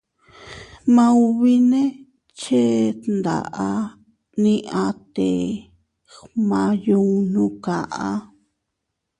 Maubi nee cheʼe tndaa nni atte gmaayunnu kaa.